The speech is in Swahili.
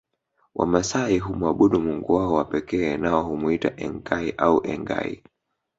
Wamasai humwabudu mungu wao wa pekee nao humwita Enkai au Engai